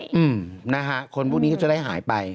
เป็นคนพวกนี้ก็จะได้หายไป